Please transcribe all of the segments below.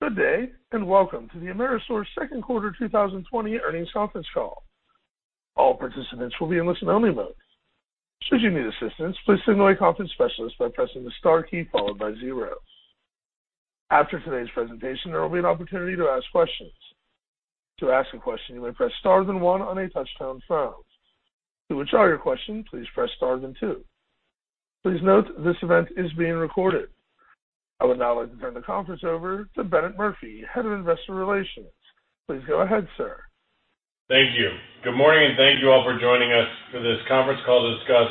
Good day, and welcome to the AmerisourceBergen second quarter 2020 earnings conference call. All participants will be in listen only mode. Should you need assistance, please signal a conference specialist by pressing the star key followed by zero. After today's presentation, there will be an opportunity to ask questions. To ask a question, you may press star then one on a touch-tone phone. To withdraw your question, please press star then two. Please note this event is being recorded. I would now like to turn the conference over to Bennett Murphy, Head of Investor Relations. Please go ahead, sir. Thank you. Good morning, thank you all for joining us for this conference call to discuss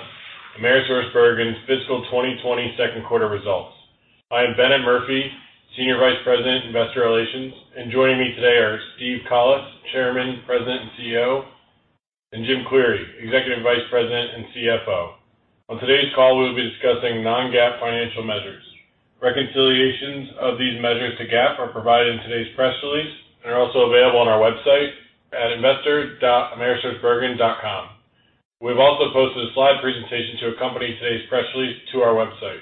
AmerisourceBergen's fiscal 2020 second quarter results. I am Bennett Murphy, Senior Vice President, Investor Relations, and joining me today are Steve Collis, Chairman, President, and CEO, and Jim Cleary, Executive Vice President and CFO. On today's call, we will be discussing non-GAAP financial measures. Reconciliations of these measures to GAAP are provided in today's press release and are also available on our website at investor.amerisourcebergen.com. We've also posted a slide presentation to accompany today's press release to our website.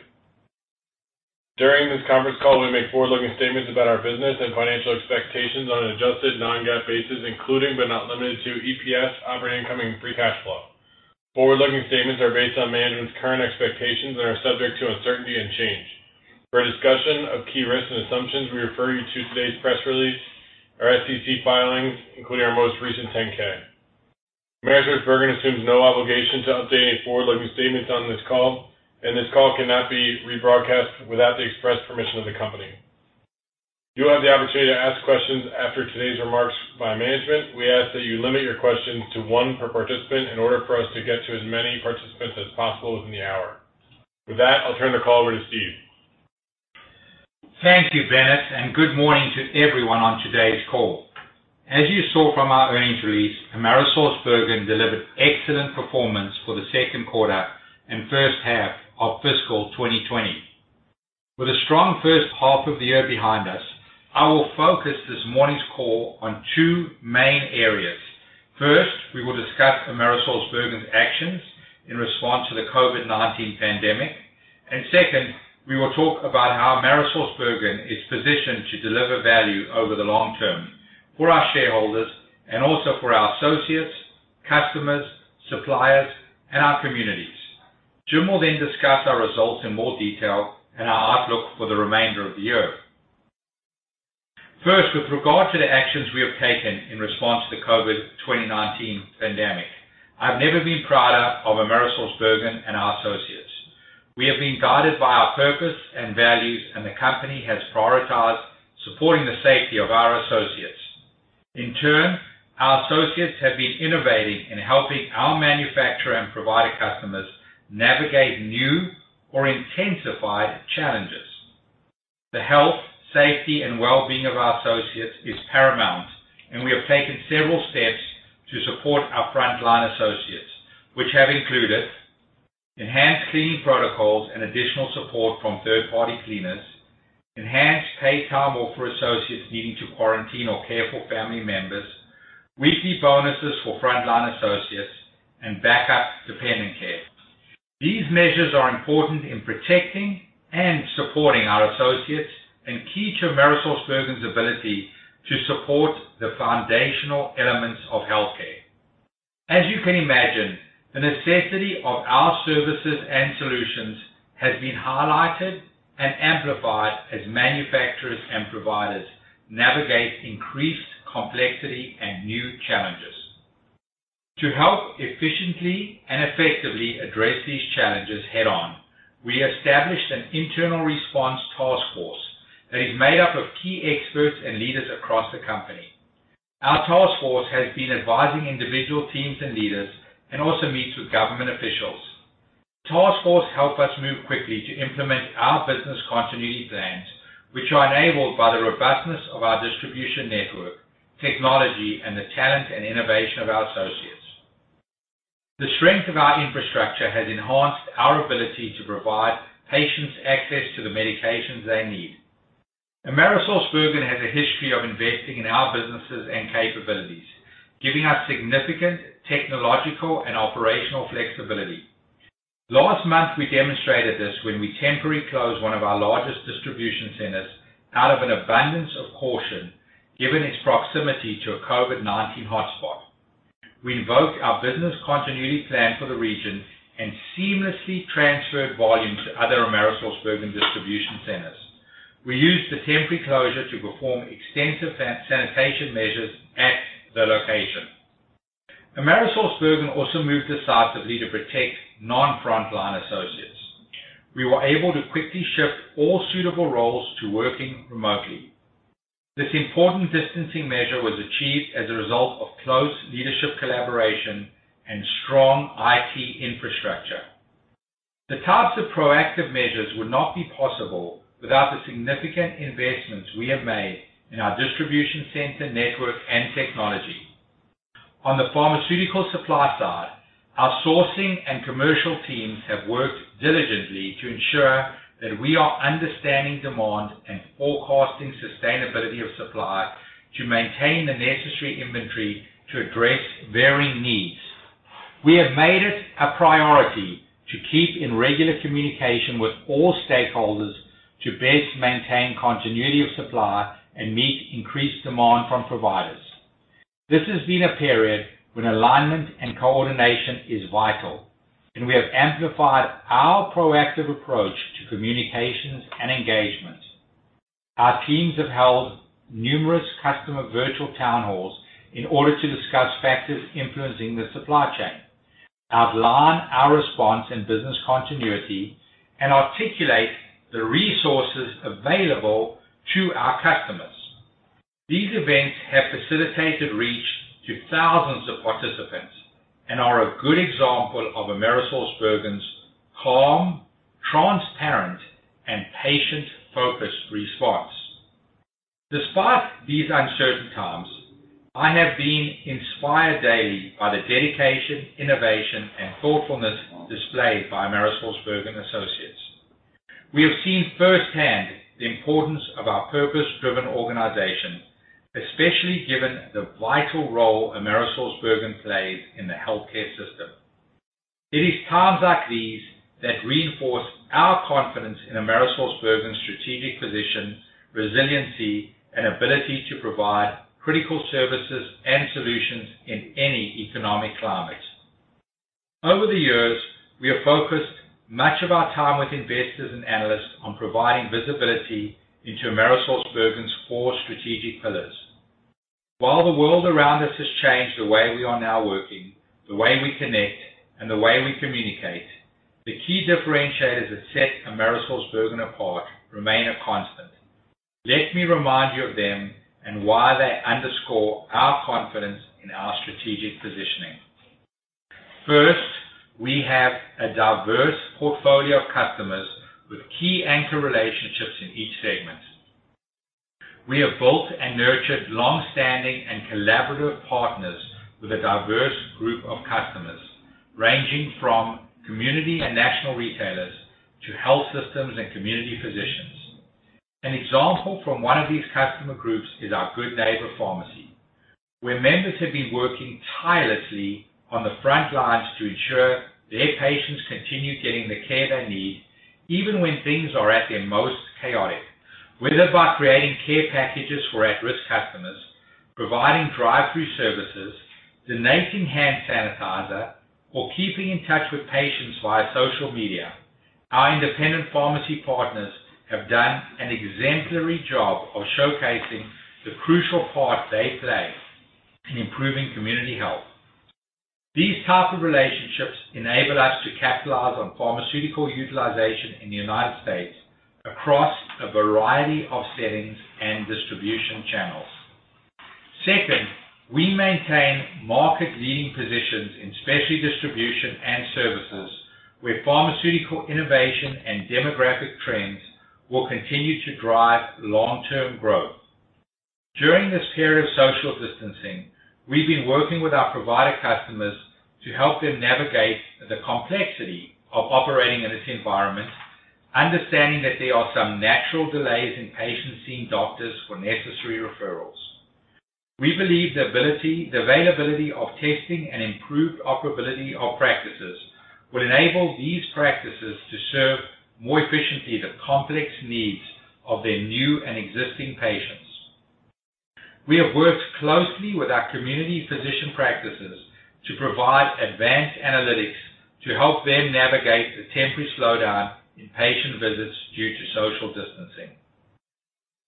During this conference call, we make forward-looking statements about our business and financial expectations on an adjusted non-GAAP basis, including, but not limited to EPS, operating income, and free cash flow. Forward-looking statements are based on management's current expectations and are subject to uncertainty and change. For a discussion of key risks and assumptions, we refer you to today's press release, our SEC filings, including our most recent 10-K. AmerisourceBergen assumes no obligation to update any forward-looking statements on this call, and this call cannot be rebroadcast without the express permission of the company. You will have the opportunity to ask questions after today's remarks by management. We ask that you limit your questions to one per participant in order for us to get to as many participants as possible within the hour. With that, I'll turn the call over to Steve. Thank you, Bennett, good morning to everyone on today's call. As you saw from our earnings release, AmerisourceBergen delivered excellent performance for the second quarter and first half of fiscal 2020. With a strong first half of the year behind us, I will focus this morning's call on two main areas. First, we will discuss AmerisourceBergen's actions in response to the COVID-19 pandemic, and second, we will talk about how AmerisourceBergen is positioned to deliver value over the long term for our shareholders and also for our associates, customers, suppliers, and our communities. Jim will discuss our results in more detail and our outlook for the remainder of the year. First, with regard to the actions we have taken in response to the COVID-19 pandemic, I've never been prouder of AmerisourceBergen and our associates. We have been guided by our purpose and values, and the company has prioritized supporting the safety of our associates. In turn, our associates have been innovating in helping our manufacturer and provider customers navigate new or intensified challenges. The health, safety, and well-being of our associates is paramount, and we have taken several steps to support our frontline associates, which have included enhanced cleaning protocols and additional support from third-party cleaners, enhanced paid time off for associates needing to quarantine or care for family members, weekly bonuses for frontline associates, and backup dependent care. These measures are important in protecting and supporting our associates and key to AmerisourceBergen's ability to support the foundational elements of healthcare. As you can imagine, the necessity of our services and solutions has been highlighted and amplified as manufacturers and providers navigate increased complexity and new challenges. To help efficiently and effectively address these challenges head on, we established an internal response task force that is made up of key experts and leaders across the company. Our task force has been advising individual teams and leaders and also meets with government officials. The task force helped us move quickly to implement our business continuity plans, which are enabled by the robustness of our distribution network, technology, and the talent and innovation of our associates. The strength of our infrastructure has enhanced our ability to provide patients access to the medications they need. AmerisourceBergen has a history of investing in our businesses and capabilities, giving us significant technological and operational flexibility. Last month, we demonstrated this when we temporarily closed one of our largest distribution centers out of an abundance of caution, given its proximity to a COVID-19 hotspot. We invoked our business continuity plan for the region and seamlessly transferred volume to other AmerisourceBergen distribution centers. We used the temporary closure to perform extensive sanitation measures at the location. AmerisourceBergen also moved to sites that allowed to protect non-frontline associates. We were able to quickly shift all suitable roles to working remotely. This important distancing measure was achieved as a result of close leadership collaboration and strong IT infrastructure. The types of proactive measures would not be possible without the significant investments we have made in our distribution center network and technology. On the pharmaceutical supply side, our sourcing and commercial teams have worked diligently to ensure that we are understanding demand and forecasting sustainability of supply to maintain the necessary inventory to address varying needs. We have made it a priority to keep in regular communication with all stakeholders to best maintain continuity of supply and meet increased demand from providers. This has been a period when alignment and coordination is vital, and we have amplified our proactive approach to communications and engagement. Our teams have held numerous customer virtual town halls in order to discuss factors influencing the supply chain, outline our response and business continuity, and articulate the resources available to our customers. These events have facilitated reach to thousands of participants and are a good example of AmerisourceBergen's calm, transparent, and patient-focused response. Despite these uncertain times, I have been inspired daily by the dedication, innovation, and thoughtfulness displayed by AmerisourceBergen associates. We have seen firsthand the importance of our purpose-driven organization, especially given the vital role AmerisourceBergen plays in the healthcare system. It is times like these that reinforce our confidence in AmerisourceBergen's strategic position, resiliency, and ability to provide critical services and solutions in any economic climate. Over the years, we have focused much of our time with investors and analysts on providing visibility into AmerisourceBergen's four strategic pillars. While the world around us has changed the way we are now working, the way we connect, and the way we communicate, the key differentiators that set AmerisourceBergen apart remain a constant. Let me remind you of them and why they underscore our confidence in our strategic positioning. First, we have a diverse portfolio of customers with key anchor relationships in each segment. We have built and nurtured long-standing and collaborative partners with a diverse group of customers, ranging from community and national retailers to health systems and community physicians. An example from one of these customer groups is our Good Neighbor Pharmacy, where members have been working tirelessly on the front lines to ensure their patients continue getting the care they need, even when things are at their most chaotic. Whether by creating care packages for at-risk customers, providing drive-through services, donating hand sanitizer, or keeping in touch with patients via social media, our independent pharmacy partners have done an exemplary job of showcasing the crucial part they play in improving community health. These types of relationships enable us to capitalize on pharmaceutical utilization in the United States across a variety of settings and distribution channels. Second, we maintain market-leading positions in specialty distribution and services, where pharmaceutical innovation and demographic trends will continue to drive long-term growth. During this period of social distancing, we've been working with our provider customers to help them navigate the complexity of operating in this environment, understanding that there are some natural delays in patients seeing doctors for necessary referrals. We believe the availability of testing and improved operability of practices will enable these practices to serve more efficiently the complex needs of their new and existing patients. We have worked closely with our community physician practices to provide advanced analytics to help them navigate the temporary slowdown in patient visits due to social distancing.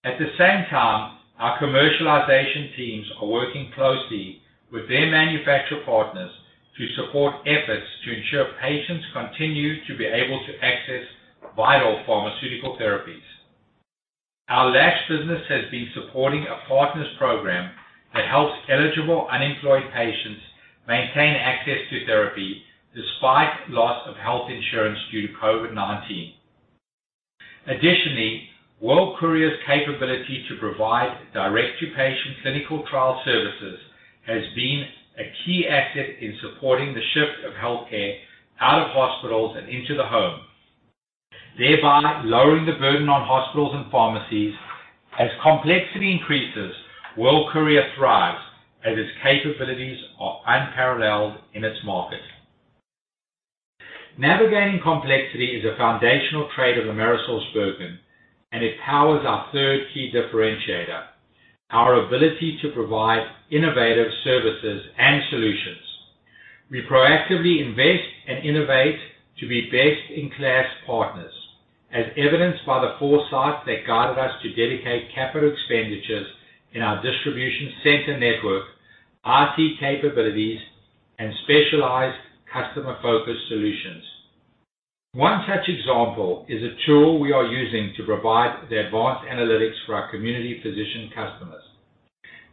At the same time, our commercialization teams are working closely with their manufacturer partners to support efforts to ensure patients continue to be able to access vital pharmaceutical therapies. Our Lash has been supporting a partners program that helps eligible unemployed patients maintain access to therapy despite loss of health insurance due to COVID-19. Additionally, World Courier's capability to provide direct-to-patient clinical trial services has been a key asset in supporting the shift of healthcare out of hospitals and into the home, thereby lowering the burden on hospitals and pharmacies. As complexity increases, World Courier thrives as its capabilities are unparalleled in its market. Navigating complexity is a foundational trait of AmerisourceBergen, it powers our third key differentiator, our ability to provide innovative services and solutions. We proactively invest and innovate to be best-in-class partners, as evidenced by the foresight that guided us to dedicate capital expenditures in our distribution center network, IT capabilities, and specialized customer-focused solutions. One such example is a tool we are using to provide the advanced analytics for our community physician customers.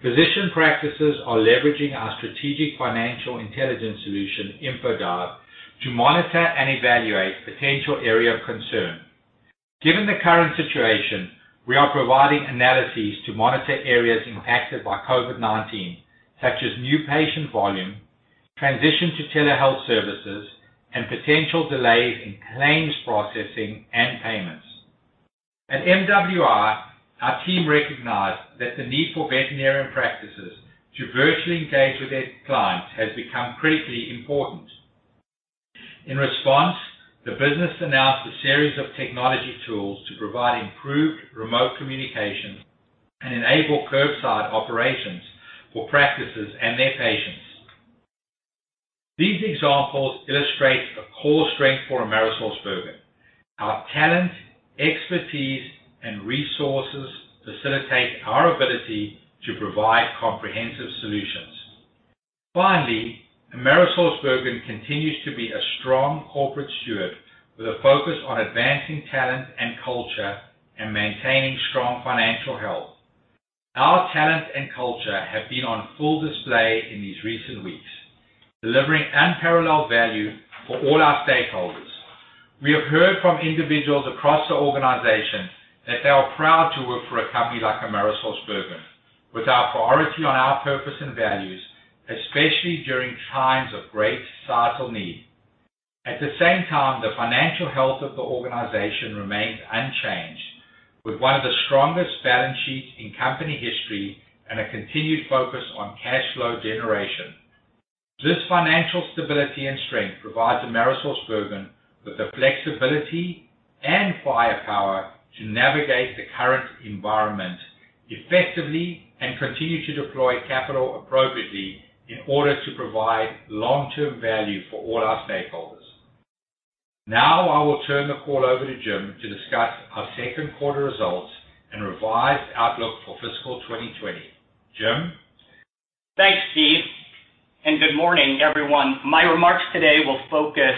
Physician practices are leveraging our strategic financial intelligence solution, InfoDive, to monitor and evaluate potential area of concern. Given the current situation, we are providing analyses to monitor areas impacted by COVID-19, such as new patient volume, transition to telehealth services, and potential delays in claims processing and payments. At MWI, our team recognized that the need for veterinarian practices to virtually engage with their clients has become critically important. In response, the business announced a series of technology tools to provide improved remote communication and enable curbside operations for practices and their patients. These examples illustrate a core strength for AmerisourceBergen. Our talent, expertise, and resources facilitate our ability to provide comprehensive solutions. Finally, AmerisourceBergen continues to be a strong corporate steward with a focus on advancing talent and culture and maintaining strong financial health. Our talent and culture have been on full display in these recent weeks, delivering unparalleled value for all our stakeholders. We have heard from individuals across the organization that they are proud to work for a company like AmerisourceBergen, with our priority on our purpose and values, especially during times of great societal need. At the same time, the financial health of the organization remains unchanged, with one of the strongest balance sheets in company history and a continued focus on cash flow generation. This financial stability and strength provides AmerisourceBergen with the flexibility and firepower to navigate the current environment effectively and continue to deploy capital appropriately in order to provide long-term value for all our stakeholders. Now, I will turn the call over to Jim to discuss our second quarter results and revised outlook for fiscal 2020. Jim? Thanks, Steve. Good morning, everyone. My remarks today will focus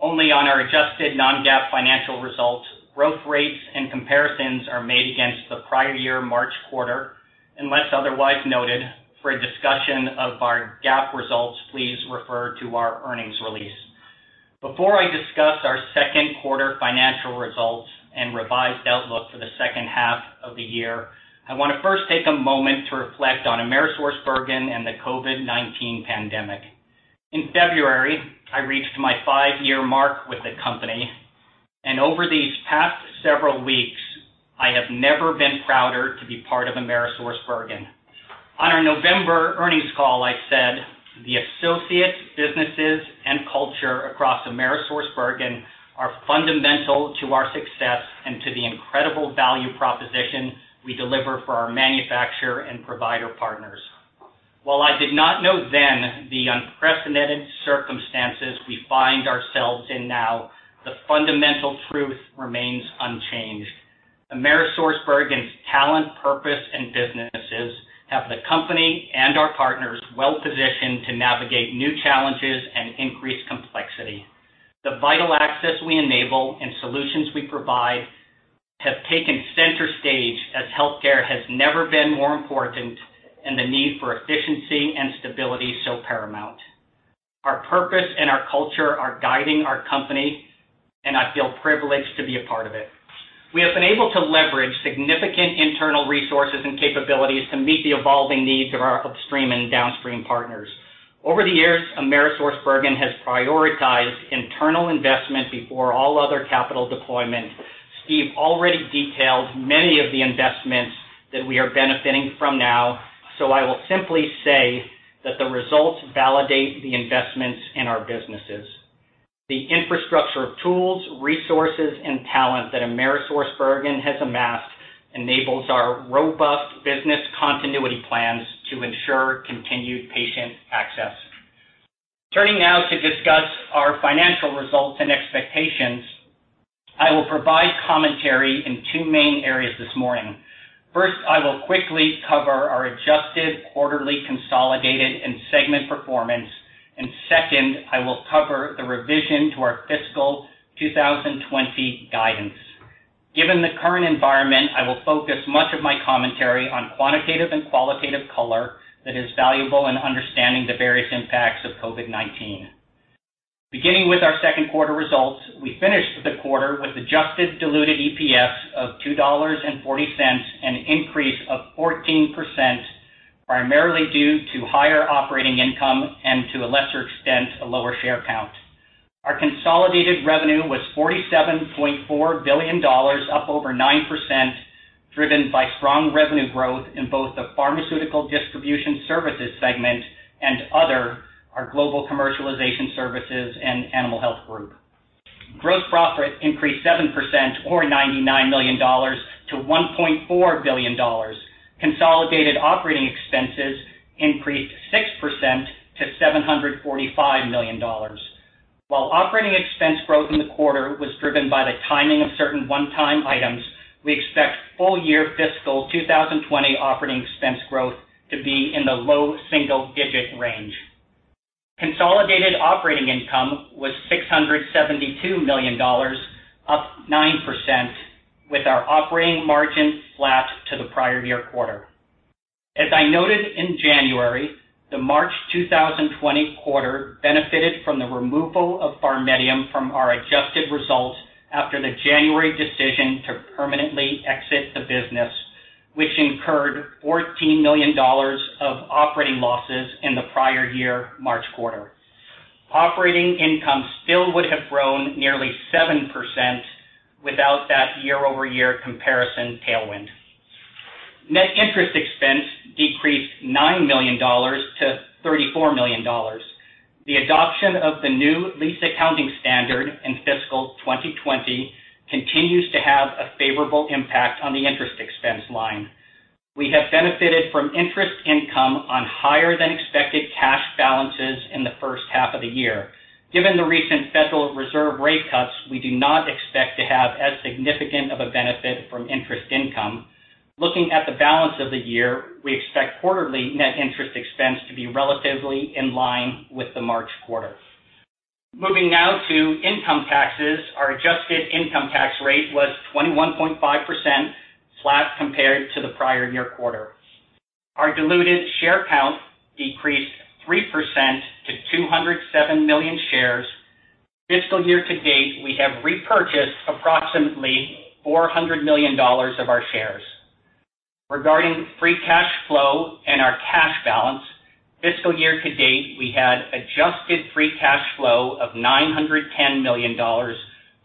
only on our adjusted non-GAAP financial results. Growth rates and comparisons are made against the prior year March quarter, unless otherwise noted. For a discussion of our GAAP results, please refer to our earnings release. Before I discuss our second quarter financial results and revised outlook for the second half of the year, I want to first take a moment to reflect on AmerisourceBergen and the COVID-19 pandemic. In February, I reached my five-year mark with the company, and over these past several weeks, I have never been prouder to be part of AmerisourceBergen. On our November earnings call, I said the associates, businesses, and culture across AmerisourceBergen are fundamental to our success and to the incredible value proposition we deliver for our manufacturer and provider partners. While I did not know then the unprecedented circumstances we find ourselves in now, the fundamental truth remains unchanged. AmerisourceBergen's talent, purpose, and businesses have the company and our partners well-positioned to navigate new challenges and increased complexity. The vital access we enable and solutions we provide have taken center stage as healthcare has never been more important and the need for efficiency and stability so paramount. Our purpose and our culture are guiding our company, and I feel privileged to be a part of it. We have been able to leverage significant internal resources and capabilities to meet the evolving needs of our upstream and downstream partners. Over the years, AmerisourceBergen has prioritized internal investment before all other capital deployment. Steve already detailed many of the investments that we are benefiting from now, so I will simply say that the results validate the investments in our businesses. The infrastructure of tools, resources, and talent that AmerisourceBergen has amassed enables our robust business continuity plans to ensure continued patient access. Turning now to discuss our financial results and expectations, I will provide commentary in two main areas this morning. First, I will quickly cover our adjusted quarterly consolidated and segment performance. Second, I will cover the revision to our fiscal 2020 guidance. Given the current environment, I will focus much of my commentary on quantitative and qualitative color that is valuable in understanding the various impacts of COVID-19. Beginning with our second quarter results, we finished the quarter with adjusted diluted EPS of $2.40, an increase of 14%, primarily due to higher operating income and to a lesser extent, a lower share count. Our consolidated revenue was $47.4 billion, up over 9%, driven by strong revenue growth in both the Pharmaceutical Distribution Services segment and other, our Global Commercialization Services and Animal Health group. Gross profit increased 7%, or $99 million, to $1.4 billion. Consolidated operating expenses increased 6% to $745 million. While operating expense growth in the quarter was driven by the timing of certain one-time items, we expect full year fiscal 2020 operating expense growth to be in the low single-digit range. Consolidated operating income was $672 million, up 9%, with our operating margin flat to the prior-year quarter. As I noted in January, the March 2020 quarter benefited from the removal of PharMEDium from our adjusted results after the January decision to permanently exit the business, which incurred $14 million of operating losses in the prior-year March quarter. Operating income still would have grown nearly 7% without that year-over-year comparison tailwind. Net interest expense decreased $9 million- $34 million. The adoption of the new lease accounting standard in fiscal 2020 continues to have a favorable impact on the interest expense line. We have benefited from interest income on higher-than-expected cash balances in the first half of the year. Given the recent Federal Reserve rate cuts, we do not expect to have as significant of a benefit from interest income. Looking at the balance of the year, we expect quarterly net interest expense to be relatively in line with the March quarter. Moving now to income taxes, our adjusted income tax rate was 21.5%, flat compared to the prior year quarter. Our diluted share count decreased 3% to 207 million shares. Fiscal year to date, we have repurchased approximately $400 million of our shares. Regarding free cash flow and our cash balance, fiscal year to date, we had adjusted free cash flow of $910 million,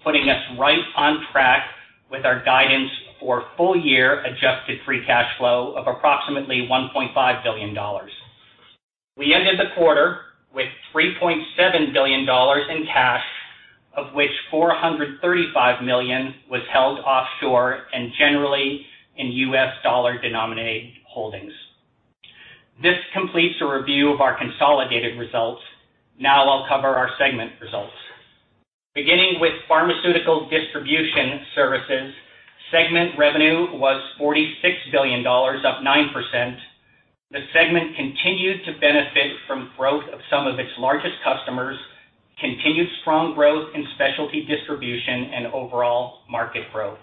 putting us right on track with our guidance for full-year adjusted free cash flow of approximately $1.5 billion. We ended the quarter with $3.7 billion in cash, of which $435 million was held offshore and generally in US dollar-denominated holdings. This completes a review of our consolidated results. I'll cover our segment results. Beginning with Pharmaceutical Distribution Services, segment revenue was $46 billion, up 9%. The segment continued to benefit from growth of some of its largest customers, continued strong growth in specialty distribution and overall market growth.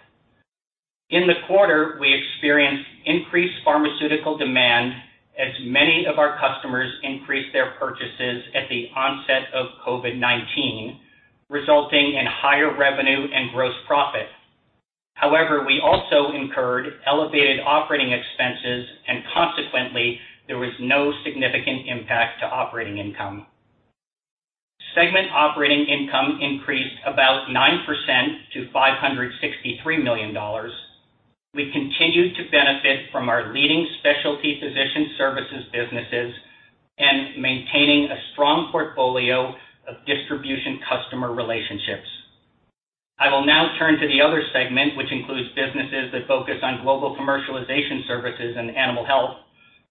In the quarter, we experienced increased pharmaceutical demand as many of our customers increased their purchases at the onset of COVID-19, resulting in higher revenue and gross profit. However, we also incurred elevated operating expenses and consequently, there was no significant impact to operating income. Segment operating income increased about 9% to $563 million. We continued to benefit from our leading specialty physician services businesses and maintaining a strong portfolio of distribution-customer relationships. I will now turn to the other segment, which includes businesses that focus on Global Commercialization Services and Animal Health,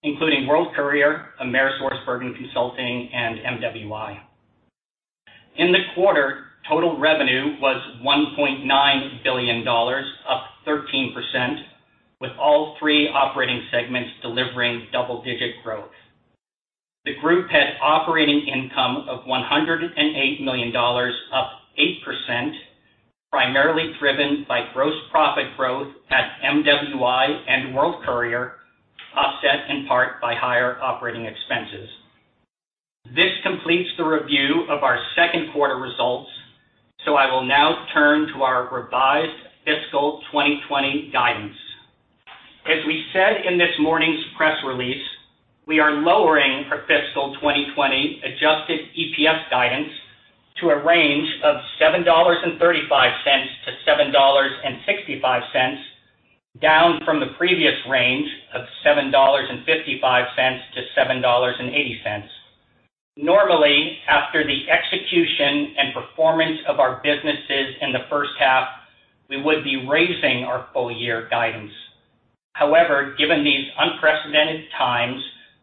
including World Courier, AmerisourceBergen Consulting, and MWI. In the quarter, total revenue was $1.9 billion, up 13%, with all three operating segments delivering double-digit growth. The group had operating income of $108 million, up 8%, primarily driven by gross profit growth at MWI and World Courier, offset in part by higher operating expenses. This completes the review of our second quarter results. I will now turn to our revised fiscal 2020 guidance. As we said in this morning's press release, we are lowering our fiscal 2020 adjusted EPS guidance to a range of $7.35-$7.65, down from the previous range of $7.55-$7.80. Normally, after the execution and performance of our businesses in the first half, we would be raising our full-year guidance. However, given these unprecedented times,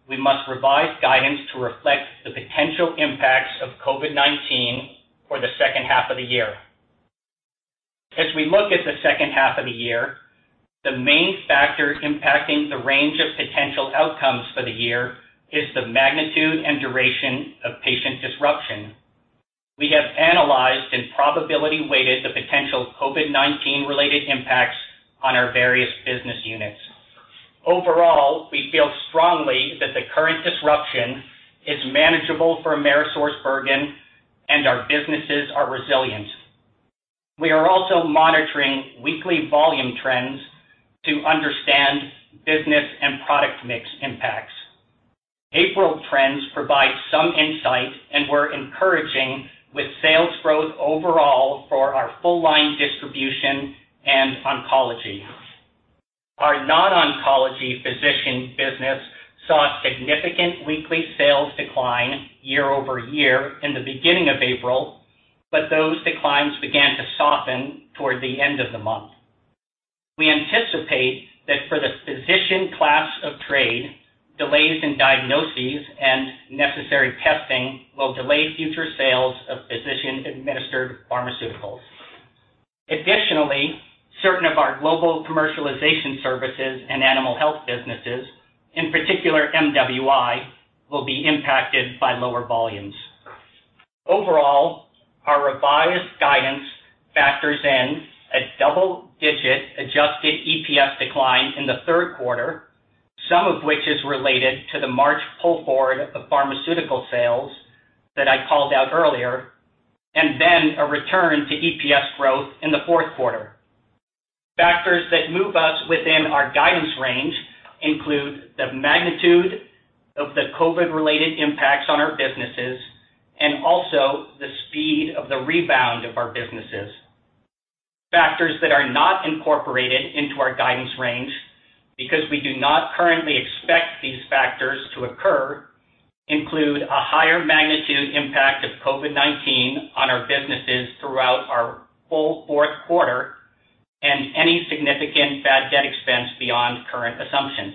we must revise guidance to reflect the potential impacts of COVID-19 for the second half of the year. As we look at the second half of the year, the main factor impacting the range of potential outcomes for the year is the magnitude and duration of patient disruption. We have analyzed and probability-weighted the potential COVID-19-related impacts on our various business units. Overall, we feel strongly that the current disruption is manageable for AmerisourceBergen and our businesses are resilient. We are also monitoring weekly volume trends to understand business and product mix impacts. April trends provide some insight and were encouraging with sales growth overall for our full-line distribution and oncology. Our non-oncology physician business saw significant weekly sales decline year-over-year in the beginning of April, but those declines began to soften toward the end of the month. We anticipate that for the physician class of trade, delays in diagnoses and necessary testing will delay future sales of physician-administered pharmaceuticals. Additionally, certain of our Global Commercialization Services and Animal Health businesses, in particular MWI, will be impacted by lower volumes. Overall, our revised guidance factors in a double-digit adjusted EPS decline in the third quarter, some of which is related to the March pull-forward of pharmaceutical sales that I called out earlier, and then a return to EPS growth in the fourth quarter. Factors that move us within our guidance range include the magnitude of the COVID-related impacts on our businesses, and also the speed of the rebound of our businesses. Factors that are not incorporated into our guidance range, because we do not currently expect these factors to occur, include a higher magnitude impact of COVID-19 on our businesses throughout our full fourth quarter and any significant bad debt expense beyond current assumptions.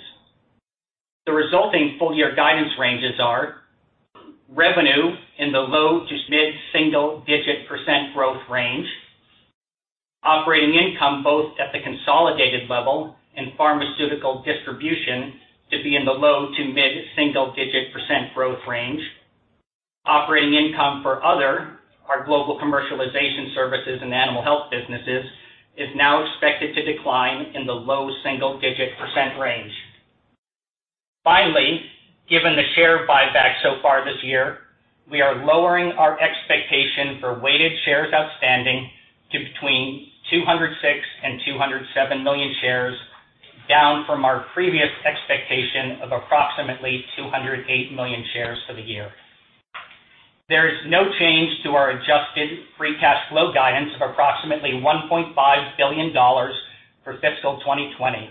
The resulting full year guidance ranges are: revenue in the low to mid-single digit percent growth range. Operating income, both at the consolidated level and Pharmaceutical Distribution, to be in the low to mid-single-digit percent growth range. Operating income for other, our Global Commercialization Services and Animal Health businesses, is now expected to decline in the low single-digit percent range. Finally, given the share buyback so far this year, we are lowering our expectation for weighted shares outstanding to between 206 and 207 million shares, down from our previous expectation of approximately 208 million shares for the year. There is no change to our adjusted free cash flow guidance of approximately $1.5 billion for fiscal 2020.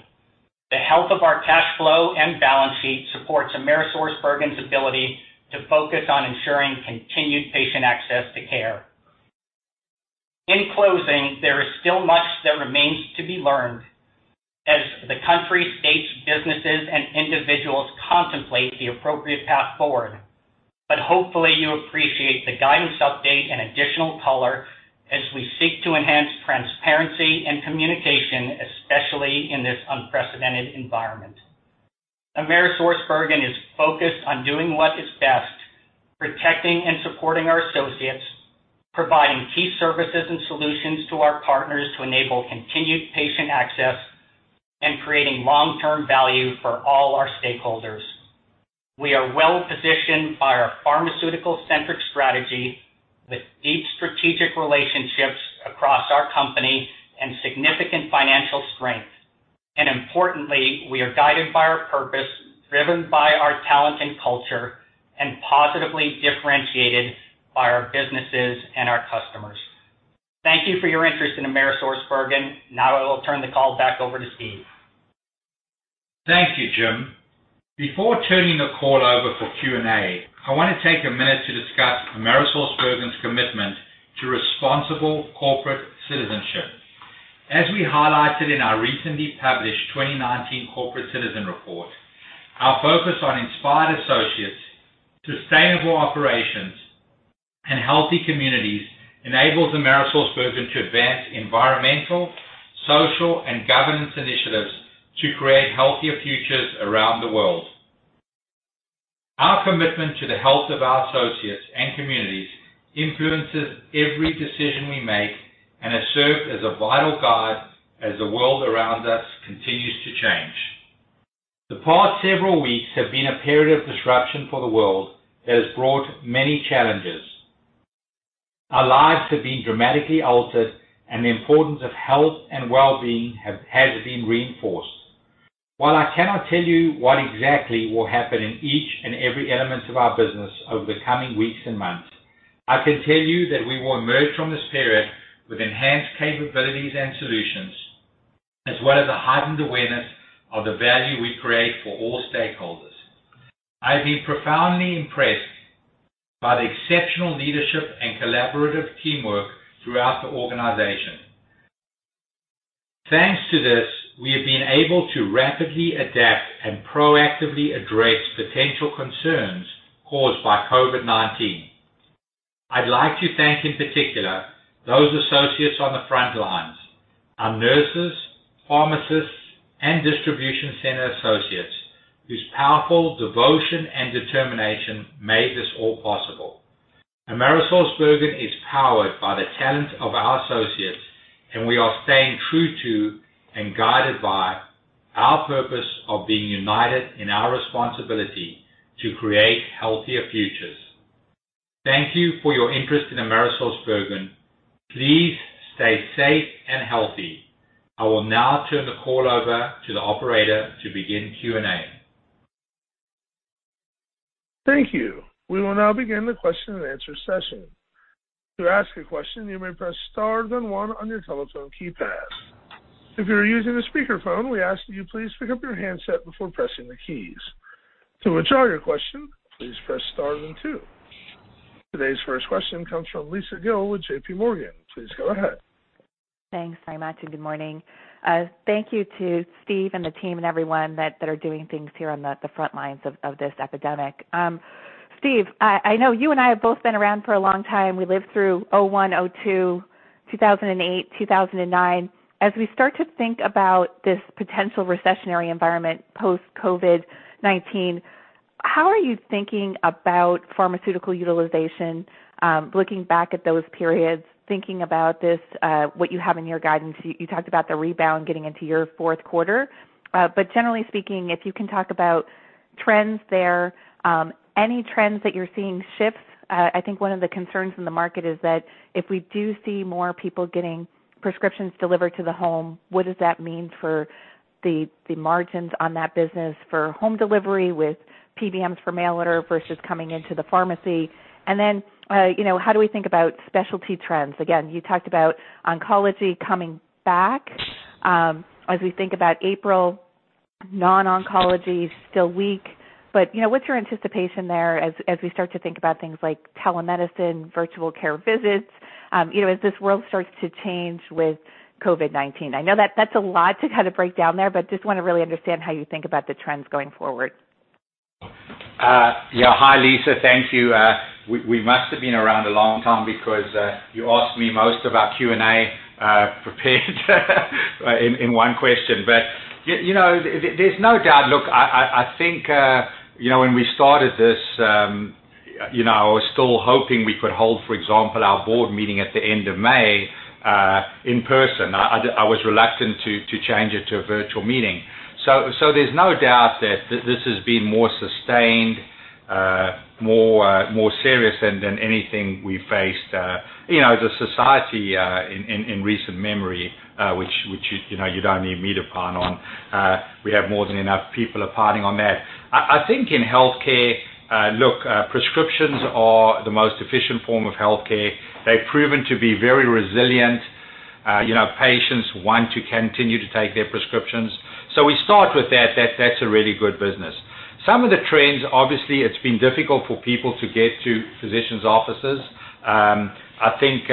The health of our cash flow and balance sheet supports AmerisourceBergen's ability to focus on ensuring continued patient access to care. In closing, there is still much that remains to be learned as the country, states, businesses, and individuals contemplate the appropriate path forward. Hopefully you appreciate the guidance update and additional color as we seek to enhance transparency and communication, especially in this unprecedented environment. AmerisourceBergen is focused on doing what is best, protecting and supporting our associates, providing key services and solutions to our partners to enable continued patient access, and creating long-term value for all our stakeholders. We are well-positioned by our pharmaceutical-centric strategy with deep strategic relationships across our company and significant financial strength. Importantly, we are guided by our purpose, driven by our talent and culture, and positively differentiated by our businesses and our customers. Thank you for your interest in AmerisourceBergen. Now I will turn the call back over to Steve. Thank you, Jim. Before turning the call over for Q&A, I want to take a minute to discuss AmerisourceBergen's commitment to responsible corporate citizenship. As we highlighted in our recently published 2019 corporate citizen report, our focus on inspired associates, sustainable operations, and healthy communities enables AmerisourceBergen to advance environmental, social, and governance initiatives to create healthier futures around the world. Our commitment to the health of our associates and communities influences every decision we make and has served as a vital guide as the world around us continues to change. The past several weeks have been a period of disruption for the world that has brought many challenges. Our lives have been dramatically altered, and the importance of health and well-being has been reinforced. While I cannot tell you what exactly will happen in each and every element of our business over the coming weeks and months, I can tell you that we will emerge from this period with enhanced capabilities and solutions, as well as a heightened awareness of the value we create for all stakeholders. I've been profoundly impressed by the exceptional leadership and collaborative teamwork throughout the organization. Thanks to this, we have been able to rapidly adapt and proactively address potential concerns caused by COVID-19. I'd like to thank, in particular, those associates on the front lines, our nurses, pharmacists, and distribution center associates, whose powerful devotion and determination made this all possible. AmerisourceBergen is powered by the talent of our associates, and we are staying true to and guided by our purpose of being united in our responsibility to create healthier futures. Thank you for your interest in AmerisourceBergen. Please stay safe and healthy. I will now turn the call over to the operator to begin Q&A. Thank you. We will now begin the question and answer session. To ask a question, you may press star then one on your telephone keypad. If you are using a speakerphone, we ask that you please pick up your handset before pressing the keys. To withdraw your question, please press star then two. Today's first question comes from Lisa Gill with JPMorgan. Please go ahead. Thanks so much. Good morning. Thank you to Steve and the team and everyone that are doing things here on the front lines of this epidemic. Steve, I know you and I have both been around for a long time. We lived through 2001, 2002, 2008, 2009. As we start to think about this potential recessionary environment, post COVID-19, how are you thinking about pharmaceutical utilization, looking back at those periods, thinking about this, what you have in your guidance. You talked about the rebound getting into your fourth quarter. Generally speaking, if you can talk about trends there. Any trends that you're seeing shifts? I think one of the concerns in the market is that if we do see more people getting prescriptions delivered to the home, what does that mean for the margins on that business for home delivery with PBMs for mail order versus coming into the pharmacy? How do we think about specialty trends? Again, you talked about oncology coming back. As we think about April, non-oncology is still weak. What's your anticipation there as we start to think about things like telemedicine, virtual care visits, as this world starts to change with COVID-19? I know that that's a lot to kind of break down there, but just want to really understand how you think about the trends going forward. Yeah. Hi, Lisa. Thank you. We must have been around a long time because, you asked me most of our Q&A prepared in one question. There's no doubt. Look, I think, when we started this, we were still hoping we could hold, for example, our board meeting at the end of May, in person. I was reluctant to change it to a virtual meeting. There's no doubt that this has been more sustained, more serious than anything we faced, as a society, in recent memory, which you don't need me to pine on. We have more than enough people are pining on that. I think in healthcare, look, prescriptions are the most efficient form of healthcare. They've proven to be very resilient. Patients want to continue to take their prescriptions. We start with that. That's a really good business. Some of the trends, obviously, it's been difficult for people to get to physicians' offices. I think,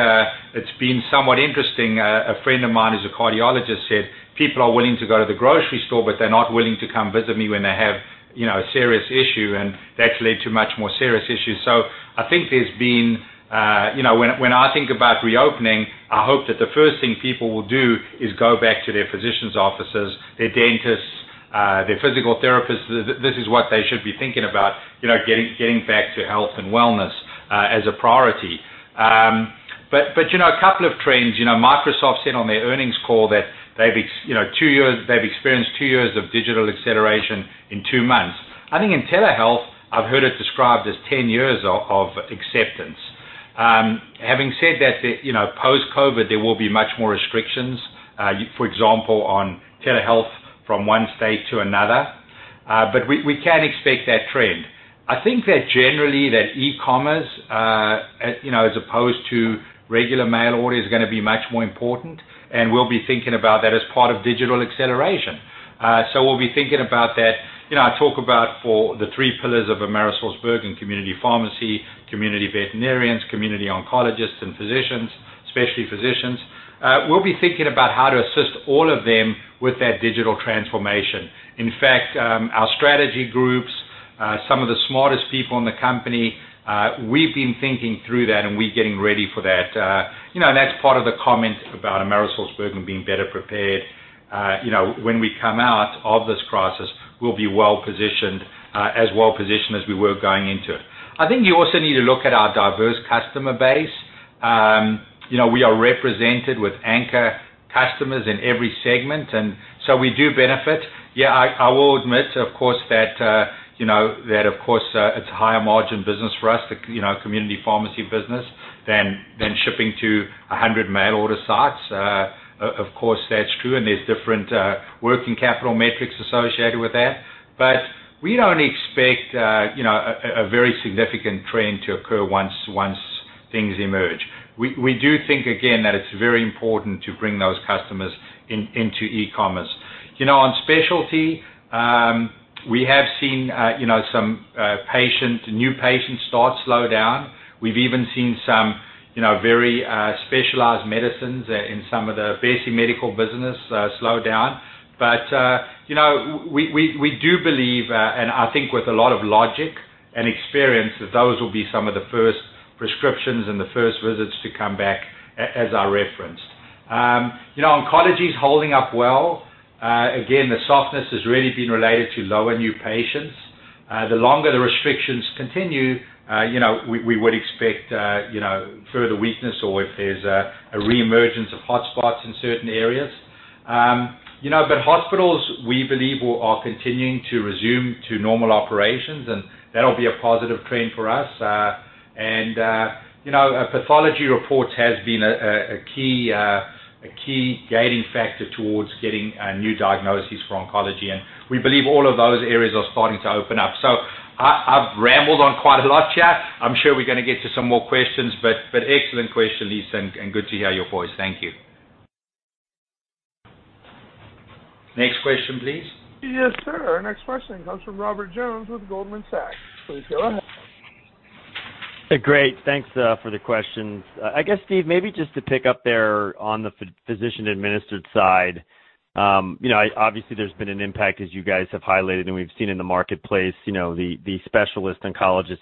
it's been somewhat interesting. A friend of mine who's a cardiologist said, "People are willing to go to the grocery store, but they're not willing to come visit me when they have a serious issue," and that's led to much more serious issues. I think when I think about reopening, I hope that the first thing people will do is go back to their physician's offices, their dentists, their physical therapists. This is what they should be thinking about, getting back to health and wellness, as a priority. A couple of trends. Microsoft said on their earnings call that they've experienced two years of digital acceleration in two months. I think in telehealth, I've heard it described as 10 years of acceptance. Having said that, post-COVID, there will be much more restrictions, for example, on telehealth from one state to another. We can expect that trend. I think that generally that e-commerce, as opposed to regular mail order is going to be much more important, and we'll be thinking about that as part of digital acceleration. We'll be thinking about that. I talk about for the three pillars of AmerisourceBergen, community pharmacy, community veterinarians, community oncologists and physicians, specialty physicians. We'll be thinking about how to assist all of them with that digital transformation. In fact, our strategy groups, some of the smartest people in the company, we've been thinking through that, and we're getting ready for that. That's part of the comment about AmerisourceBergen being better prepared. When we come out of this crisis, we'll be as well-positioned as we were going into it. I think you also need to look at our diverse customer base. We are represented with anchor customers in every segment, and so we do benefit. Yeah, I will admit, of course, that it's higher margin business for us, the community pharmacy business than shipping to 100 mail order sites. Of course, that's true, and there's different working capital metrics associated with that. We don't expect a very significant trend to occur once things emerge. We do think, again, that it's very important to bring those customers into e-commerce. On specialty, we have seen some new patients start slow down. We've even seen some very specialized medicines in some of the basic medical business slow down. We do believe, and I think with a lot of logic and experience, that those will be some of the first prescriptions and the first visits to come back as I referenced. Oncology is holding up well. The softness has really been related to lower new patients. The longer the restrictions continue, we would expect further weakness or if there's a reemergence of hotspots in certain areas. Hospitals, we believe, are continuing to resume to normal operations, and that'll be a positive trend for us. Pathology reports has been a key gating factor towards getting new diagnoses for oncology, and we believe all of those areas are starting to open up. I've rambled on quite a lot here. I'm sure we're going to get to some more questions, excellent question, Lisa, and good to hear your voice. Thank you. Next question, please. Yes, sir. Next question comes from Robert Jones with Goldman Sachs. Please go ahead. Great. Thanks for the questions. I guess, Steve, maybe just to pick up there on the physician-administered side. Obviously, there's been an impact as you guys have highlighted, and we've seen in the marketplace, the specialist oncologist,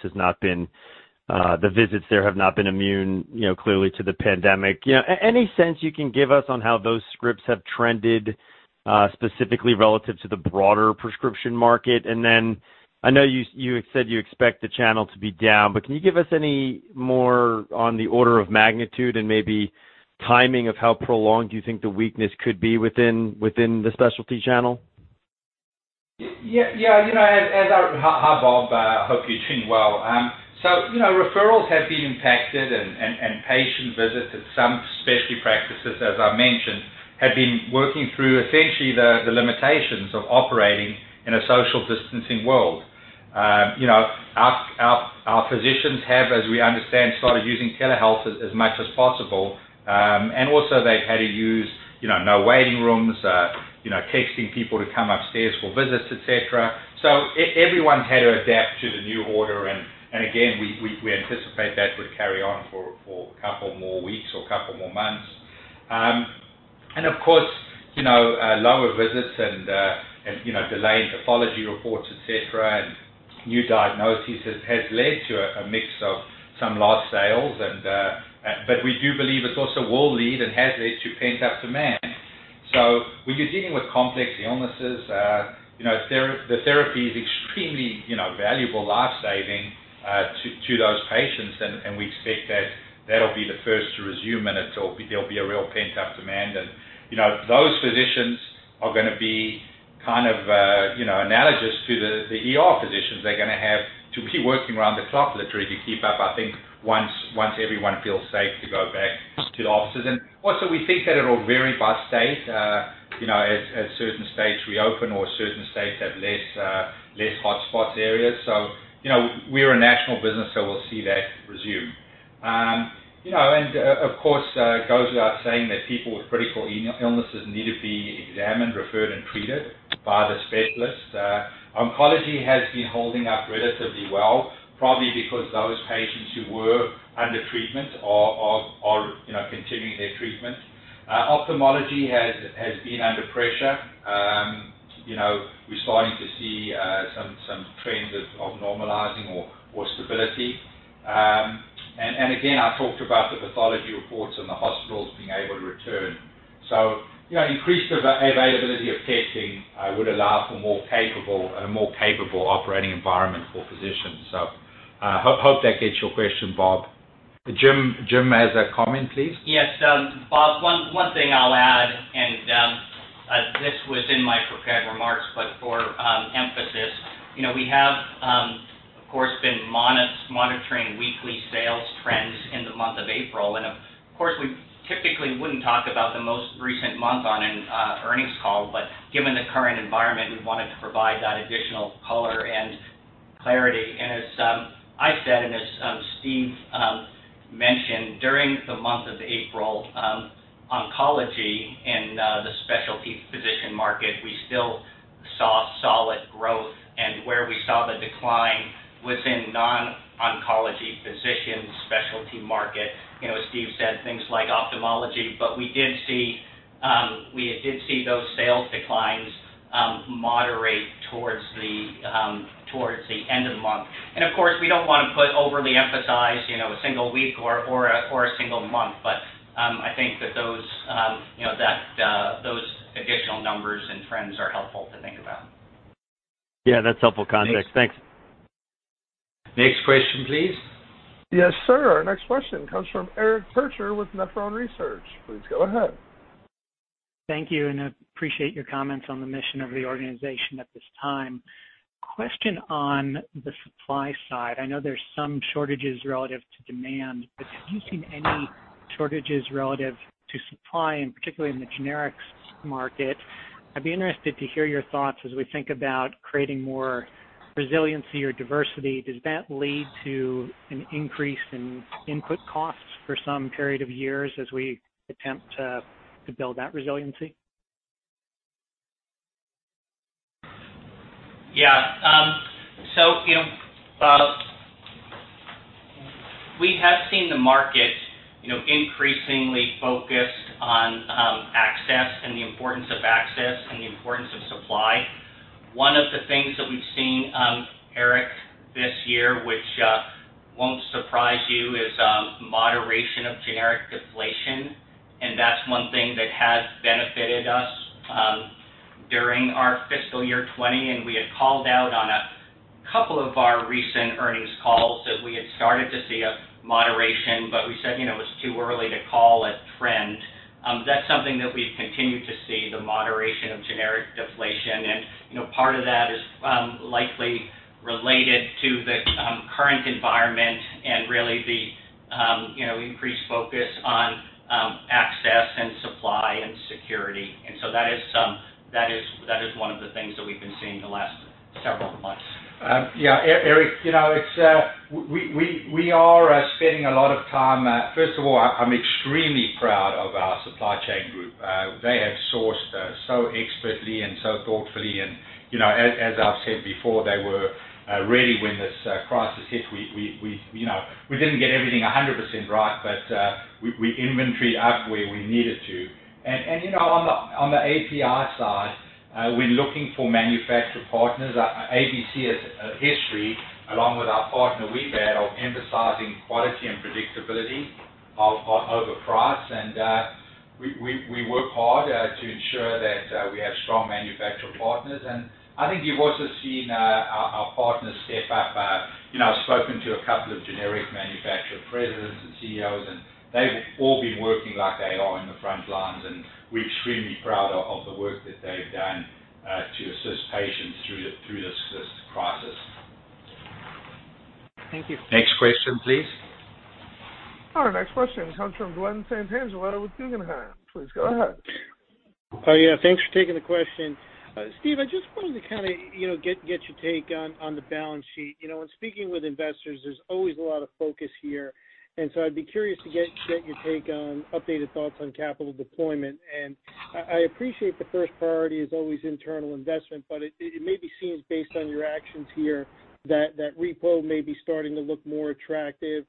the visits there have not been immune clearly to the pandemic. Any sense you can give us on how those scripts have trended, specifically relative to the broader prescription market? Then I know you said you expect the channel to be down, but can you give us any more on the order of magnitude and maybe timing of how prolonged you think the weakness could be within the specialty channel? Yeah. Hi, Bob. I hope you're doing well. Referrals have been impacted and patient visits at some specialty practices, as I mentioned, have been working through essentially the limitations of operating in a social distancing world. Our physicians have, as we understand, started using telehealth as much as possible. Also, they've had to use no waiting rooms, texting people to come upstairs for visits, et cetera. Everyone had to adapt to the new order. Again, we anticipate that would carry on for a couple more weeks or a couple more months. Of course, lower visits and delayed pathology reports, et cetera, and new diagnoses has led to a mix of some lost sales. We do believe it also will lead and has led to pent-up demand. When you're dealing with complex illnesses, the therapy is extremely valuable, life-saving to those patients and we expect that'll be the first to resume, and there'll be a real pent-up demand. Those physicians are going to be kind of analogous to the ER physicians. They're going to have to be working around the clock literally to keep up, I think, once everyone feels safe to go back to the offices. Also, we think that it'll vary by state, as certain states reopen or certain states have less hotspot areas. We're a national business, so we'll see that resume. Of course, it goes without saying that people with critical illnesses need to be examined, referred, and treated by the specialist. Oncology has been holding up relatively well, probably because those patients who were under treatment are continuing their treatment. Ophthalmology has been under pressure. We're starting to see some trends of normalizing or stability. Again, I talked about the pathology reports and the hospitals being able to return. Increased availability of testing would allow for a more capable operating environment for physicians. Hope that gets your question, Bob. Jim has a comment, please. Yes. Bob, one thing I'll add, this was in my prepared remarks, for emphasis. Of course, we typically wouldn't talk about the most recent month on an earnings call, given the current environment, we wanted to provide that additional color and clarity. As I said, and as Steve mentioned, during the month of April, oncology in the specialty physician market, we still saw solid growth. Where we saw the decline was in non-oncology physician specialty market. As Steve said, things like ophthalmology. We did see those sales declines moderate towards the end of the month. Of course, we don't want to overly emphasize a single week or a single month. I think that those additional numbers and trends are helpful to think about. Yeah, that's helpful context. Thanks. Next question, please. Yes, sir. Our next question comes from Eric Percher with Nephron Research. Please go ahead. Thank you, and I appreciate your comments on the mission of the organization at this time. Question on the supply side, I know there's some shortages relative to demand, but have you seen any shortages relative to supply, and particularly in the generics market? I'd be interested to hear your thoughts as we think about creating more resiliency or diversity. Does that lead to an increase in input costs for some period of years as we attempt to build that resiliency? Yeah. We have seen the market increasingly focused on access and the importance of access and the importance of supply. One of the things that we've seen, Eric, this year, which won't surprise you, is moderation of generic deflation. That's one thing that has benefited us during our fiscal year 2020. We had called out on a couple of our recent earnings calls that we had started to see a moderation, but we said it was too early to call a trend. That's something that we've continued to see, the moderation of generic deflation. Part of that is likely related to the current environment and really the increased focus on access and supply and security. That is one of the things that we've been seeing the last several months. Yeah. Eric, first of all, I'm extremely proud of our supply chain group. They have sourced so expertly and so thoughtfully, and as I've said before, they were ready when this crisis hit. We didn't get everything 100% right, but we inventoried up where we needed to. On the API side, we're looking for manufacturer partners. ABC has a history, along with our partner, Webar, of emphasizing quality and predictability over price. We work hard to ensure that we have strong manufacturer partners. I think you've also seen our partners step up. I spoke to a couple of generic manufacturer presidents and CEOs, and they've all been working like they are in the front lines, and we're extremely proud of the work that they've done to assist patients through this crisis. Thank you. Next question, please. Our next question comes from Glen Santangelo with Guggenheim. Please go ahead. Yeah. Thanks for taking the question. Steve, I just wanted to get your take on the balance sheet. In speaking with investors, there's always a lot of focus here, and so I'd be curious to get your take on updated thoughts on capital deployment. I appreciate the first priority is always internal investment, but it maybe seems based on your actions here that repo may be starting to look more attractive.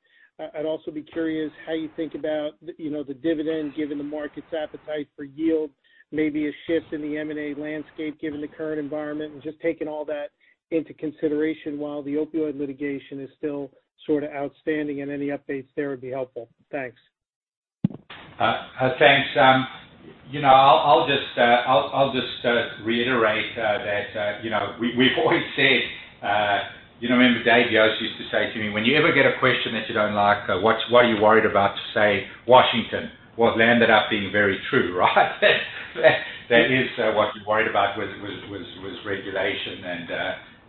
I'd also be curious how you think about the dividend, given the market's appetite for yield, maybe a shift in the M&A landscape given the current environment, and just taking all that into consideration while the opioid litigation is still sort of outstanding, and any updates there would be helpful. Thanks. Thanks. I'll just reiterate that we've always said, remember Dave Yost used to say to me, "When you ever get a question that you don't like, what are you worried about? Say Washington." Well, that ended up being very true, right? That is what you're worried about was regulation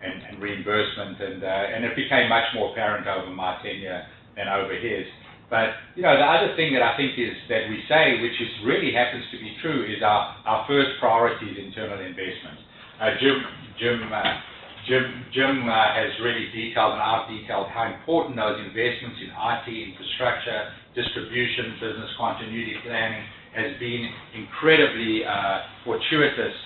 and reimbursement, and it became much more apparent over my tenure than over his. The other thing that I think that we say, which just really happens to be true, is our first priority is internal investment. Jim has really detailed, and I've detailed how important those investments in IT infrastructure, distribution, business continuity planning, has been incredibly fortuitous,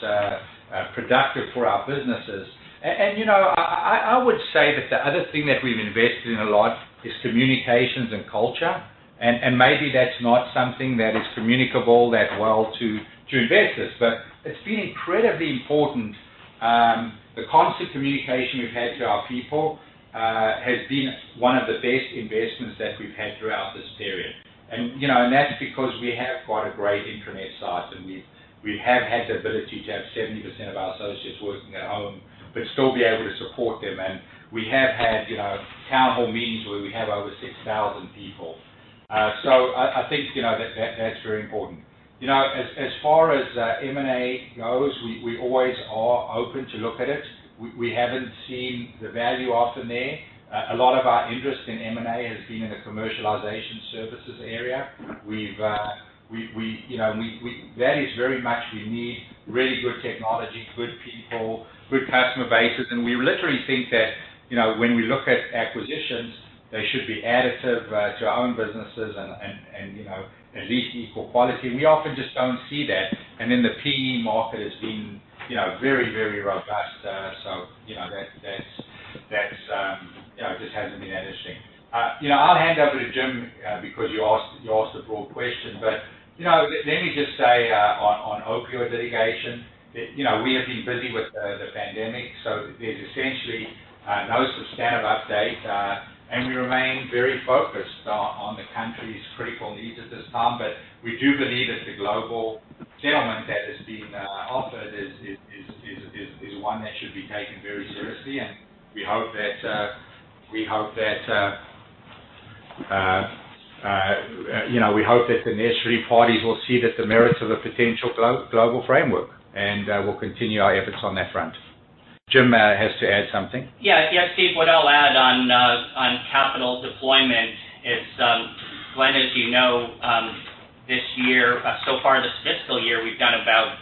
productive for our businesses. I would say that the other thing that we've invested in a lot is communications and culture, and maybe that's not something that is communicable that well to investors, but it's been incredibly important. The constant communication we've had to our people has been one of the best investments that we've had throughout this period. That's because we have quite a great intranet site, and we have had the ability to have 70% of our associates working at home, but still be able to support them. I think that's very important. As far as M&A goes, we always are open to look at it. We haven't seen the value often there. A lot of our interest in M&A has been in the commercialization services area. That is very much we need really good technology, good people, good customer bases, and we literally think that when we look at acquisitions, they should be additive to our own businesses and at least equal quality, and we often just don't see that. The PE market has been very, very robust, that just hasn't been interesting. I'll hand over to Jim, because you asked a broad question, but let me just say on opioid litigation, that we have been busy with the pandemic, there's essentially no substantive update. We remain very focused on the country's critical needs at this time. We do believe that the global settlement that has been offered is one that should be taken very seriously, and we hope that the necessary parties will see the merits of a potential global framework, and we'll continue our efforts on that front. Jim has to add something. Yeah. Steve, what I'll add on capital deployment is, Glen, as you know, so far this fiscal year, we've done about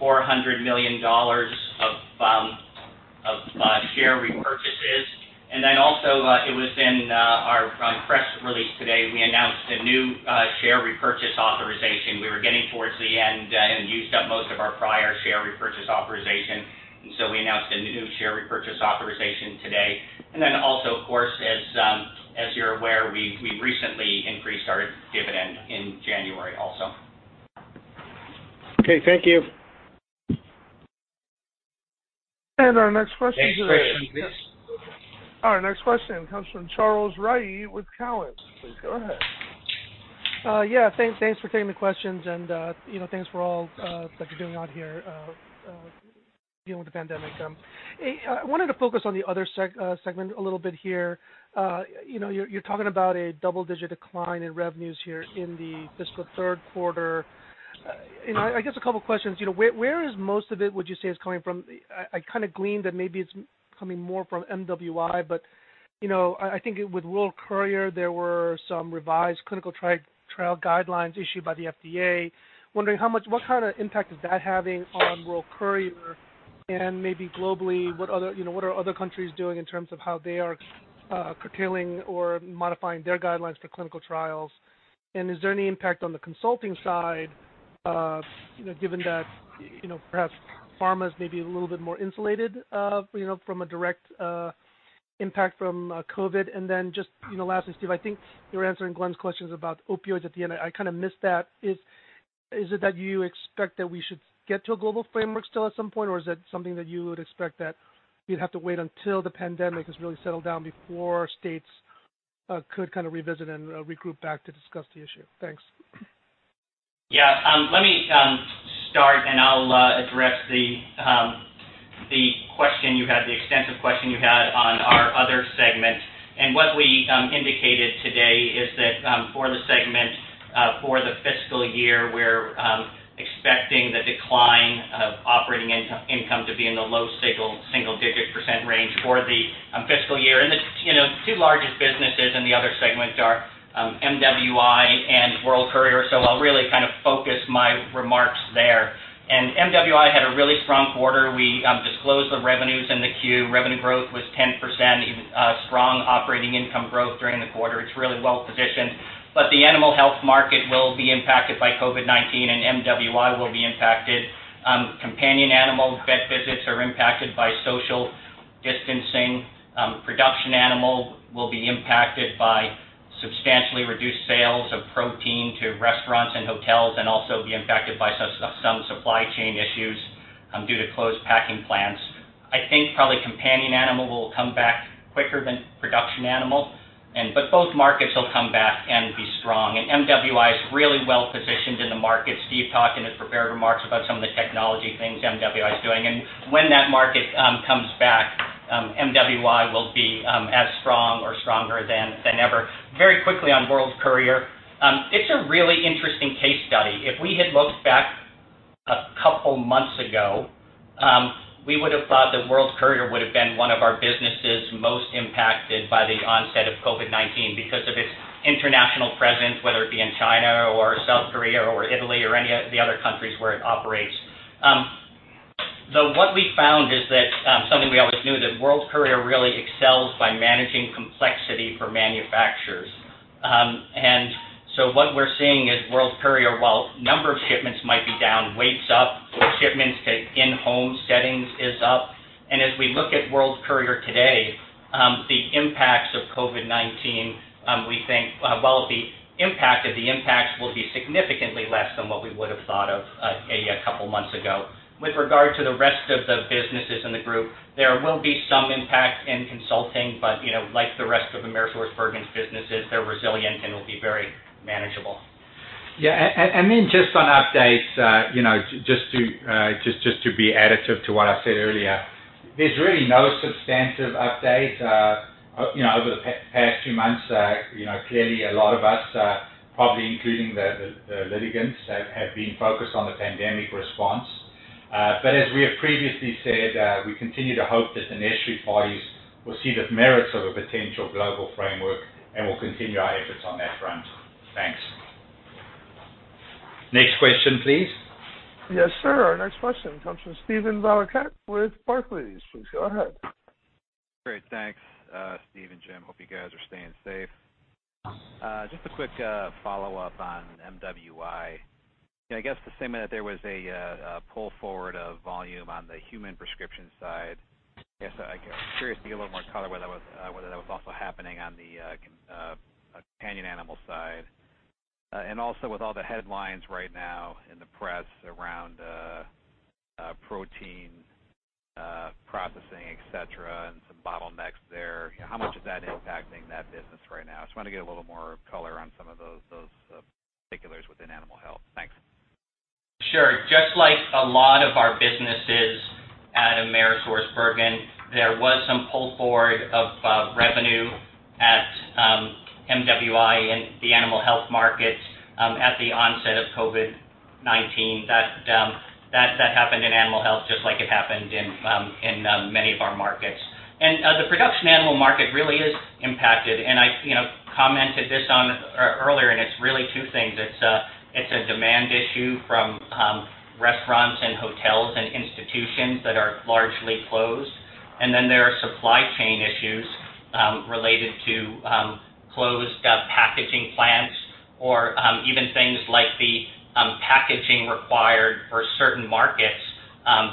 $400 million of share repurchases. It was in our press release today, we announced a new share repurchase authorization. We were getting towards the end and used up most of our prior share repurchase authorization. We announced a new share repurchase authorization today. Of course, as you're aware, we recently increased our dividend in January also. Okay, thank you. Our next question. Next question, please. Our next question comes from Charles Rhyee with Cowen. Please go ahead. Yeah. Thanks for taking the questions and thanks for all that you're doing out here dealing with the pandemic. I wanted to focus on the other segment a little bit here. You're talking about a double-digit decline in revenues here in the fiscal third quarter. I guess a couple of questions. Where is most of it would you say is coming from? I kind of gleaned that maybe it's coming more from MWI, but I think with World Courier, there were some revised clinical trial guidelines issued by the FDA. Wondering what kind of impact is that having on World Courier and maybe globally, what are other countries doing in terms of how they are curtailing or modifying their guidelines for clinical trials? Is there any impact on the consulting side, given that perhaps pharma is maybe a little bit more insulated from a direct impact from COVID-19? Just lastly, Steve, I think you were answering Glen's questions about opioids at the end. I kind of missed that. Is it that you expect that we should get to a global framework still at some point, or is that something that you would expect that you'd have to wait until the pandemic has really settled down before states could kind of revisit and regroup back to discuss the issue? Thanks. Yeah. Let me start, and I'll address the extensive question you had on our other segment. What we indicated today is that for the segment for the fiscal year, we're expecting the decline of operating income to be in the low single-digit percent range for the fiscal year. The two largest businesses in the other segment are MWI and World Courier, so I'll really focus my remarks there. MWI had a really strong quarter. We disclosed the revenues in the Q. Revenue growth was 10%, strong operating income growth during the quarter. It's really well-positioned. The animal health market will be impacted by COVID-19, and MWI will be impacted. Companion animal vet visits are impacted by social distancing. Production animal will be impacted by substantially reduced sales of protein to restaurants and hotels and also be impacted by some supply chain issues due to closed packing plants. I think probably companion animal will come back quicker than production animal. Both markets will come back and be strong. MWI is really well-positioned in the market. Steve talked in his prepared remarks about some of the technology things MWI is doing. When that market comes back, MWI will be as strong or stronger than ever. Very quickly on World Courier. It's a really interesting case study. If we had looked back a couple months ago, we would have thought that World Courier would have been one of our businesses most impacted by the onset of COVID-19 because of its international presence, whether it be in China or South Korea or Italy or any of the other countries where it operates. What we found is that something we always knew, that World Courier really excels by managing complexity for manufacturers. What we're seeing is World Courier, while number of shipments might be down, weight's up, shipments to in-home settings is up. As we look at World Courier today, the impacts of COVID-19, we think while the impact of the impacts will be significantly less than what we would have thought of a couple of months ago. With regard to the rest of the businesses in the group, there will be some impact in consulting. Like the rest of AmerisourceBergen's businesses, they're resilient and will be very manageable. Yeah. Then just on updates, just to be additive to what I said earlier. There's really no substantive update. Over the past few months, clearly a lot of us, probably including the litigants, have been focused on the pandemic response. As we have previously said, we continue to hope that the necessary parties will see the merits of a potential global framework, and we'll continue our efforts on that front. Thanks. Next question, please. Yes, sir. Our next question comes from Steven Valiquette with Barclays. Please go ahead. Great. Thanks, Steve and Jim. Hope you guys are staying safe. Just a quick follow-up on MWI. I guess the statement that there was a pull forward of volume on the human prescription side, I guess I'm curious to get a little more color whether that was also happening on the companion animal side. Also with all the headlines right now in the press around protein processing, et cetera, and some bottlenecks there, how much is that impacting that business right now? I just want to get a little more color on some of those particulars within Animal Health. Thanks. Sure. Just like a lot of our businesses at AmerisourceBergen, there was some pull forward of revenue at MWI in the animal health market at the onset of COVID-19. That happened in animal health just like it happened in many of our markets. The production animal market really is impacted, and I commented this earlier, and it's really two things. It's a demand issue from restaurants and hotels and institutions that are largely closed. There are supply chain issues related to closed packaging plants or even things like the packaging required for certain markets.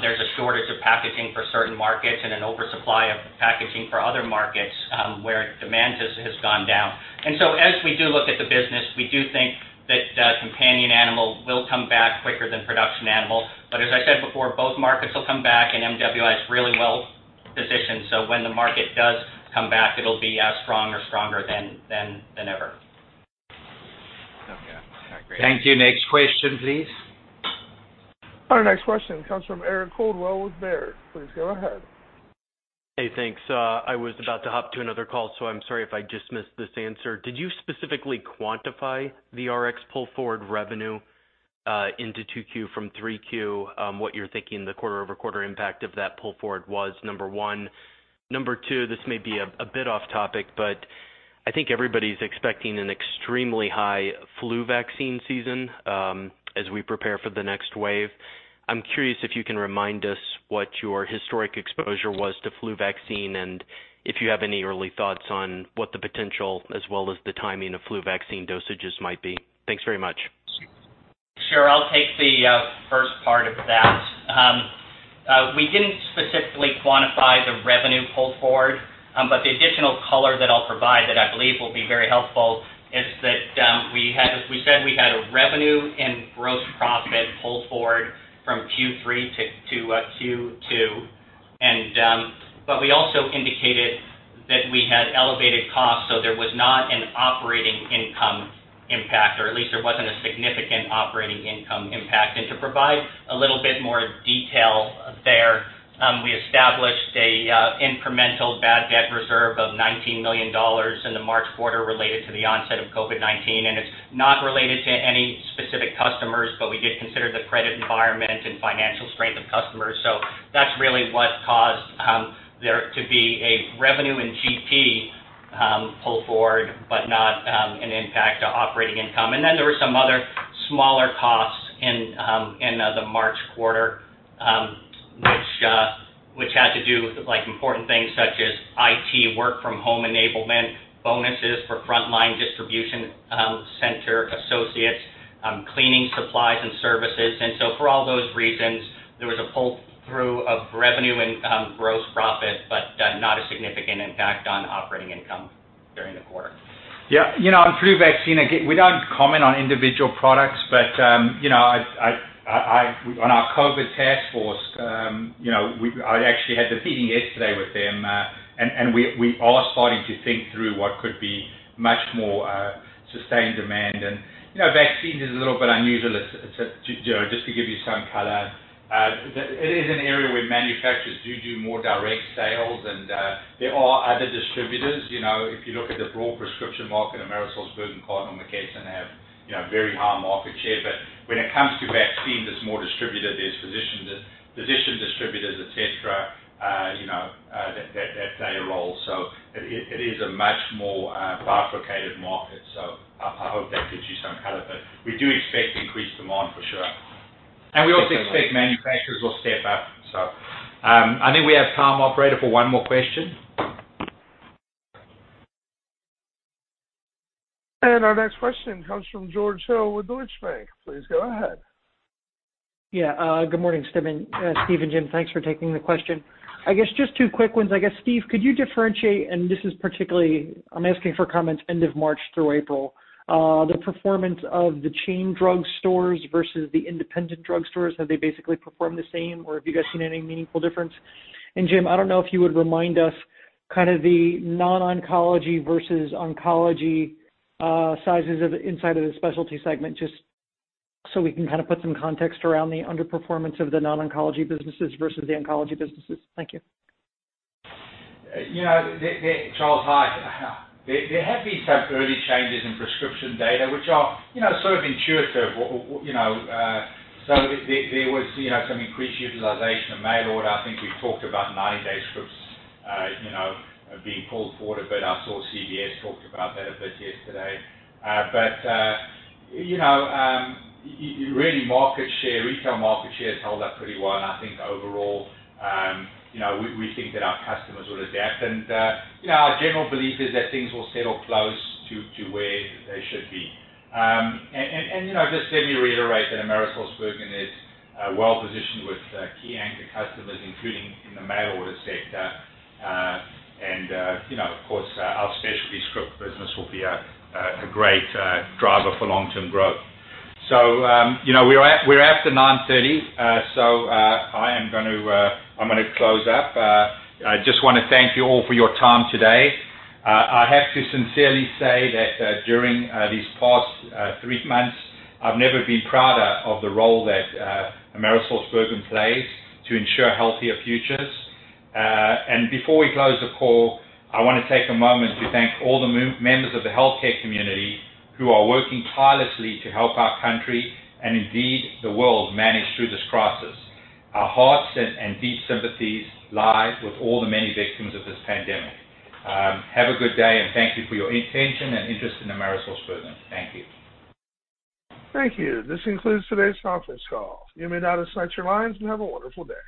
There's a shortage of packaging for certain markets and an oversupply of packaging for other markets where demand has gone down. As we do look at the business, we do think that companion animal will come back quicker than production animal. As I said before, both markets will come back, and MWI is really well-positioned. When the market does come back, it'll be as strong or stronger than ever. Okay. Great. Thank you. Next question, please. Our next question comes from Eric Coldwell with Baird. Please go ahead. Hey, thanks. I was about to hop to another call, so I'm sorry if I just missed this answer. Did you specifically quantify the Rx pull-forward revenue into 2Q from 3Q, what you're thinking the quarter-over-quarter impact of that pull forward was, number one? Number two, this may be a bit off topic, but I think everybody's expecting an extremely high flu vaccine season as we prepare for the next wave. I'm curious if you can remind us what your historic exposure was to flu vaccine and if you have any early thoughts on what the potential as well as the timing of flu vaccine dosages might be. Thanks very much. Sure. I'll take the first part of that. We didn't specifically quantify the revenue pull forward. The additional color that I'll provide that I believe will be very helpful is that we said we had a revenue and gross profit pull forward from Q3 to Q2. We also indicated that we had elevated costs, so there was not an operating income impact, or at least there wasn't a significant operating income impact. To provide a little bit more detail there, we established an incremental bad debt reserve of $19 million in the March quarter related to the onset of COVID-19, and it's not related to any specific customers, but we did consider the credit environment and financial strength of customers. That's really what caused there to be a revenue and GP pull forward, but not an impact to operating income. There were some other smaller costs in the March quarter, which had to do with important things such as IT work from home enablement, bonuses for frontline distribution center associates, cleaning supplies and services. For all those reasons, there was a pull-through of revenue and gross profit, but not a significant impact on operating income during the quarter. On flu vaccine, again, we don't comment on individual products, but on our COVID task force, I actually had the meeting yesterday with them, and we are starting to think through what could be much more sustained demand. Vaccine is a little bit unusual. Just to give you some color, it is an area where manufacturers do more direct sales, and there are other distributors. If you look at the broad prescription market, AmerisourceBergen, Cardinal, and McKesson have very high market share. When it comes to vaccines, it's more distributed. There's physician distributors, et cetera, that play a role. It is a much more bifurcated market. I hope that gives you some color. We do expect increased demand for sure. We also expect manufacturers will step up. I think we have time, operator, for one more question. Our next question comes from George Hill with Deutsche Bank. Please go ahead. Good morning, Steven, Steve, and Jim. Thanks for taking the question. I guess just two quick ones. I guess, Steve, could you differentiate, and this is particularly, I'm asking for comments end of March through April, the performance of the chain drugstores versus the independent drugstores. Have they basically performed the same, or have you guys seen any meaningful difference? Jim, I don't know if you would remind us kind of the non-oncology versus oncology sizes inside of the specialty segment, just so we can kind of put some context around the underperformance of the non-oncology businesses versus the oncology businesses. Thank you. George, hi. There have been some early changes in prescription data, which are sort of intuitive. There was some increased utilization of mail order. I think we've talked about 90-day scripts being pulled forward a bit. I saw CVS talked about that a bit yesterday. Really, retail market share has held up pretty well. I think overall, we think that our customers will adapt. Our general belief is that things will settle close to where they should be. Just let me reiterate that AmerisourceBergen is well-positioned with key anchor customers, including in the mail order sector. Of course, our specialty script business will be a great driver for long-term growth. We're after 9:30 A.M. I'm going to close up. I just want to thank you all for your time today. I have to sincerely say that during these past three months, I've never been prouder of the role that AmerisourceBergen plays to ensure healthier futures. Before we close the call, I want to take a moment to thank all the members of the healthcare community who are working tirelessly to help our country, and indeed the world, manage through this crisis. Our hearts and deep sympathies lie with all the many victims of this pandemic. Have a good day, and thank you for your attention and interest in AmerisourceBergen. Thank you. Thank you. This concludes today's conference call. You may now disconnect your lines and have a wonderful day.